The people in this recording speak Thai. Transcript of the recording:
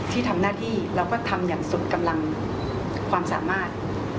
ที่ทำหน้าที่แล้วก็ทำอย่างสุดกำลังความสามารถ